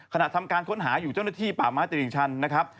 ทำการค้นหาอยู่เจ้าหน้าที่ป่าไม้ตลิ่งชันนะครับ